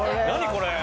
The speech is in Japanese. これ！